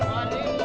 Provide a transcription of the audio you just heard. mati lagi dekat